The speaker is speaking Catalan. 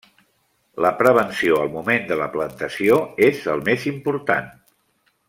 La prevenció al moment de la plantació és el més important.